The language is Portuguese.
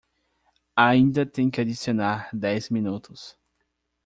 Ainda tem que adicionar dez minutos